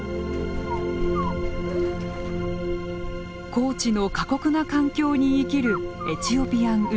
高地の過酷な環境に生きるエチオピアンウルフ。